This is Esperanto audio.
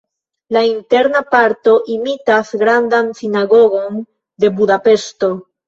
La interna parto imitas Grandan Sinagogon de Budapeŝto.